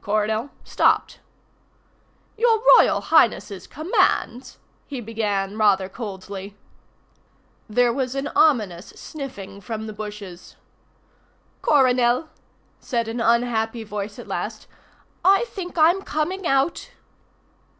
Coronel stopped. "Your Royal Highness's commands," he began rather coldly There was an ominous sniffing from the bushes. "Coronel," said an unhappy voice at last, "I think I'm coming out."